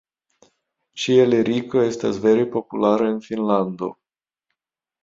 Ŝia liriko estas vere populara en Finnlando.